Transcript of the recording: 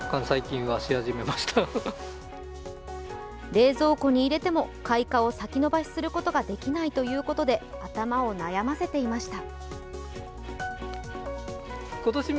冷蔵庫に入れても開花を先延ばしすることができないということで頭を悩ませていました。